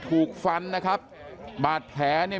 ถูกฟันนะครับบาดแผลเนี่ย